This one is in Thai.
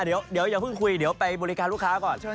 เดี๋ยวอย่าเพิ่งคุยเดี๋ยวไปบริการลูกค้าก่อน